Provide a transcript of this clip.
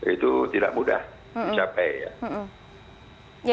itu tidak mudah dicapai ya